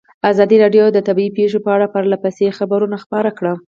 ازادي راډیو د طبیعي پېښې په اړه پرله پسې خبرونه خپاره کړي.